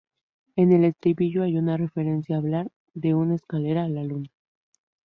En el estribillo hay una referencia a hablar "de una escalera a la luna".